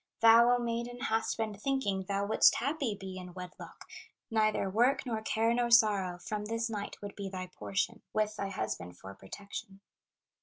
"Thou, O maiden, hast been thinking Thou wouldst happy be in wedlock; Neither work, nor care, nor sorrow, From this night would be thy portion, With thy husband for protection.